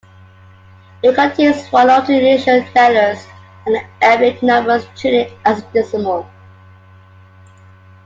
It contains one or two initial letters and Arabic numbers, treated as a decimal.